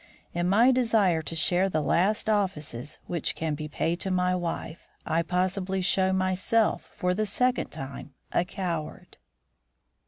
In my desire to share the last offices which can be paid to my wife, I possibly show myself for the second time a coward."